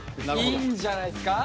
いいんじゃないですか。